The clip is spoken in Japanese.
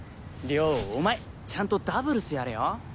亮お前ちゃんとダブルスやれよ。